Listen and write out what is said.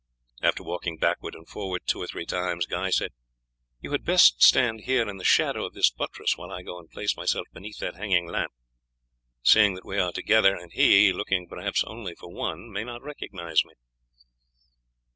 After walking backwards and forwards two or three times Guy said, "You had best stand here in the shadow of this buttress while I go and place myself beneath that hanging lamp; seeing that we are together, and he, looking perhaps only for one, may not recognize me."